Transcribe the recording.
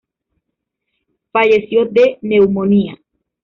Falleció de neumonía.